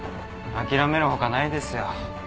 諦めるほかないですよ。